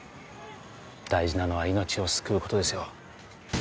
大事なのは命を救うことですよ